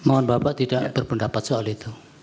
mohon bapak tidak berpendapat soal itu